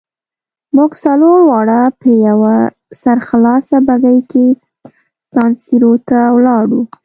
موږ څلور واړه په یوه سرخلاصه بګۍ کې سان سیرو ته ولاړو.